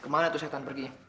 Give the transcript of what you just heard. kemana tuh setan pergi